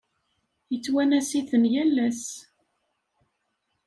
Yettwanas-iten yal ass.